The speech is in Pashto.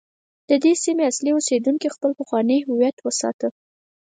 د دې سیمې اصلي اوسیدونکو خپل پخوانی هویت وساته.